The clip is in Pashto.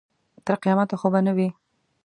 تر قیامته خو به نه وي.